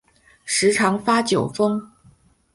时常发酒疯